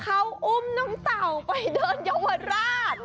เขาอุ้มน้องเต่าไปเดินเยาวราช